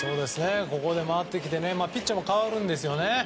ここで回ってきてピッチャーも代わるんですね。